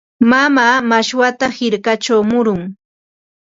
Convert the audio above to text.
Mamaa mashwata hirkachaw murun.